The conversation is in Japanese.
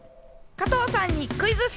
加藤さんにクイズッス！